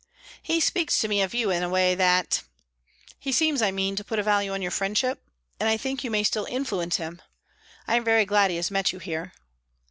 "He speaks to me of you in a way that He seems, I mean, to put a value on your friendship, and I think you may still influence him. I am very glad he has met you here."